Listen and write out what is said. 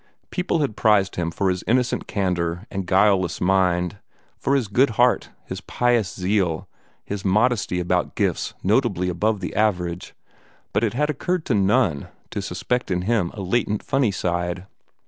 People had prized him for his innocent candor and guileless mind, for his good heart, his pious zeal, his modesty about gifts notably above the average, but it had occurred to none to suspect in him a latent funny side.